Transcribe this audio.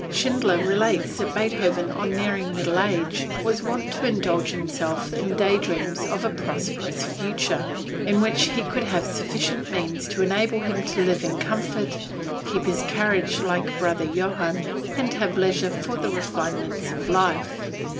Schindler relates that Beethoven on nearing middle age, was wont to indulge himself in day dreams of a prosperous future, in which he could have sufficient means to enable him to live in comfort, keep his carriage like brother Johann, and have leisure for the refinements of life.